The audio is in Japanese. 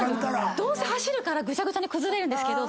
どうせ走るからぐちゃぐちゃに崩れるんですけど。